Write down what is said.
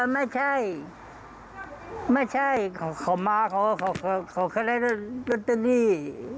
ไม่ใช่ไม่ใช่เขามาเขาขายรถเตอรี่